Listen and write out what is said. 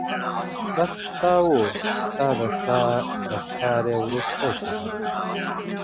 بس ستا و، ستا د ساه د ښاريې وروستی قدم و~